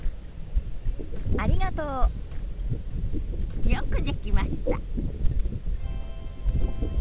ありがとう。よくできました。